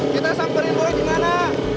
kita samperin boy dimana